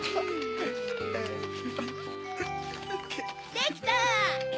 できた！